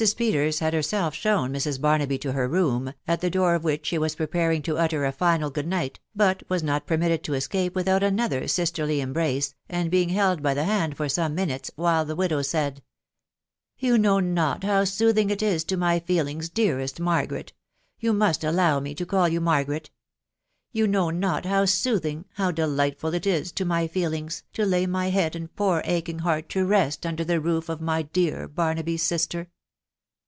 Peters had herself shown Mrs. Barnaby to her room, at the door of which she was preparing to utter a final good night, but was not permitted to escape without another sisterly embrace, and being held by the hand for some minutes, while the widow said, —*' You know not how soothing it is to my feeYaig? deweifc «tts wtwow barnabt. It Margaret! *... yo* nrnst allow me to eaTl yoti Margaret you know not bow soothing ^ he* deiightfal itis to my feelings, to lay my head and poor aching heart to Teat under the roof of my dear Barnetoy'e sister